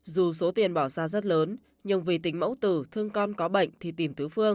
dù số tiền bỏ ra rất lớn nhưng vì tính mẫu tử thương con có bệnh thì tìm tứ phương